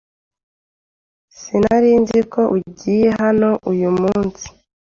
Sinari nzi ko ugiye hano uyu munsi.